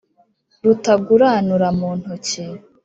rutaguranura mu ntoki,